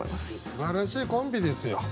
すばらしいコンビですよ。